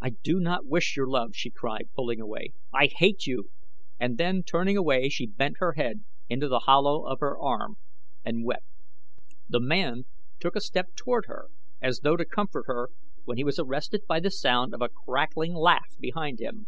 "I do not wish your love," she cried, pulling away. "I hate you!" and then turning away she bent her head into the hollow of her arm, and wept. The man took a step toward her as though to comfort her when he was arrested by the sound of a crackling laugh behind him.